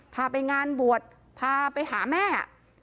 พาไปงานบวชพาไปหาแม่